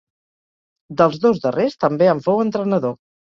Dels dos darrers també en fou entrenador.